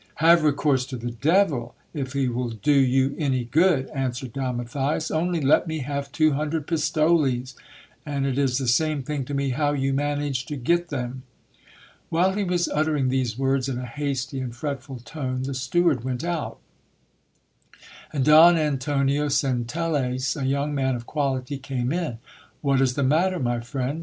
"Have recourse to the devil, if he will do you any good,* answered Don Matthias ;'Vmly let me have two hundred pistoles, and it is the same thing to me how you manage to get them'.' While he was uttering these words in a hasty and fretful tone, the steward went out ; and Don Antonio Centelles, a young man of quality, came in. 'What is the matter, my friend?"